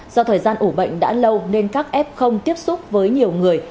do thời gian ổ bệnh đã lâu nên các ép không tiếp xúc với nhiều người